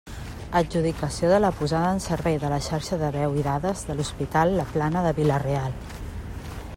Adjudicació de la posada en servei de la xarxa de veu i dades de l'Hospital La Plana de Vila-real.